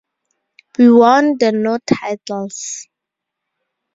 We won the no titles.